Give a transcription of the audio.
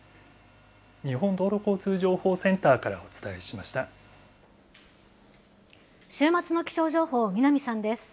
日本道路交通情報センターからお週末の気象情報、南さんです。